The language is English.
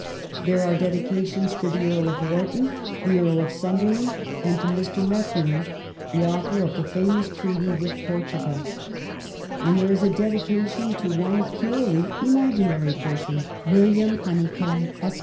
There are dedications to the Earl of Wharton, the Earl of Sunderland, and Mr. Methuen (the author of the famous treaty with Portugal), and there is a dedi cation to one purely imaginary person, ' William Honeycomb, Esq.